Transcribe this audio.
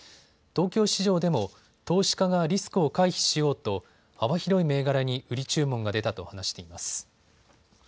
東京市場でも投資家がリスクを回避しようと幅広い銘柄に売り注文が出たと話しています。